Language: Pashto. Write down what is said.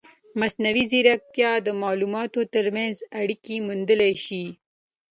مصنوعي ځیرکتیا د معلوماتو ترمنځ اړیکې موندلی شي.